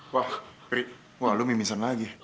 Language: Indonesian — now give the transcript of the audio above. wah pri wah lo mimisan lagi